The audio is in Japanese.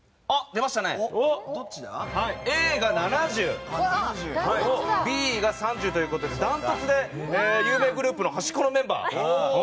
Ａが７０Ｂが３０ということでダントツで有名グループの端っこのメンバー。